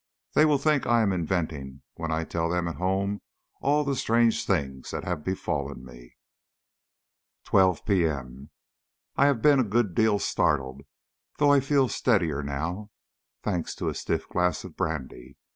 They will think I am inventing when I tell them at home all the strange things that have befallen me. 12 P.M. I have been a good deal startled, though I feel steadier now, thanks to a stiff glass of brandy.